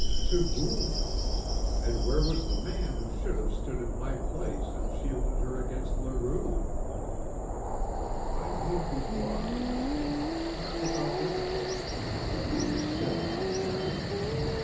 To whom? And where was the man who should have stood in my place and shielded her against Leroux? I made Dubois understand, not without difficulty, that we were still unmarried.